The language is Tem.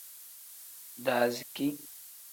Daaziki.